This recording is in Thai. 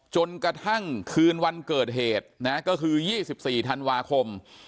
จนกระทั่งคืนวันเกิดเหตุนะก็คือ๒๔ธันวาคม